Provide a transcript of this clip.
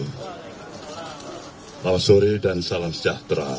selamat sore dan salam sejahtera